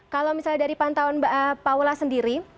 kalau misalnya dari pantauan pak ula sendiri